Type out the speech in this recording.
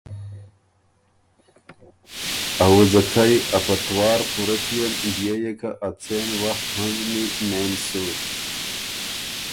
ا وُځه کئ ا پتوار پُورۀ کيېن، بيې يې که ا څېن وخت هنزنی، نېن سُو،